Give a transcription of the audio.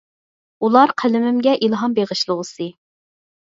ئۇلار قەلىمىمگە ئىلھام بېغىشلىغۇسى.